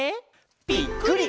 ぴっくり！